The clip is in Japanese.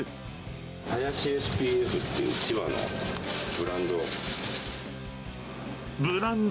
林ＳＰＦっていう千葉のブランド。